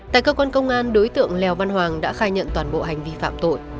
tại cơ quan công an đối tượng lèo văn hoàng đã khai nhận toàn bộ hành vi phạm tội